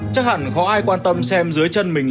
chính bản thân cô đây nha